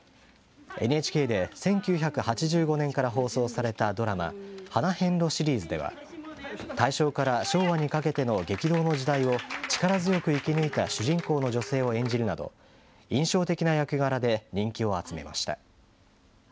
ＮＨＫで１９８５年から放送されたドラマ、花へんろシリーズでは、大正から昭和にかけての激動の時代を力強く生き抜いた主人公の女性を演じるなど、印象的な役柄で人気を集めました。